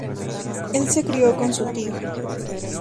Él se crió con su tío.